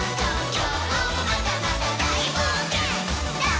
「きょうもまだまだだいぼうけん」「ダン」